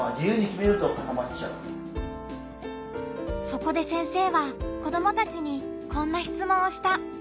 そこで先生は子どもたちにこんな質問をした。